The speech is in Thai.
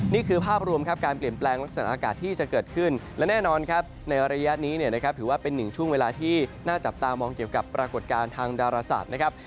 นี่คือภาพรวมครับการเปลี่ยนแปลงลักษณะอากาศที่จะเกิดขึ้นและแน่นอนครับในระยะนี้เนี่ยนะครับถือว่าเป็นหนึ่งช่วงเวลาที่น่าจับตามองเกี่ยวกับปรากฏการณ์ทางดาราศาสตร์นะครับ